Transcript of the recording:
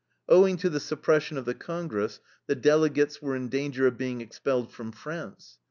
Owing to the suppression of the congress, the delegates were in danger of being expelled from France.